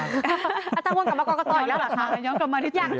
อาจารย์ว่ากรรมกรก็ต่ออีกแล้วล่ะค่ะ